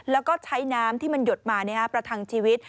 แล้วก็ใช้น้ำที่มันหยดมาประทังชีวิต